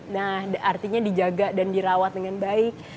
nah artinya dijaga dan dirawat dengan baik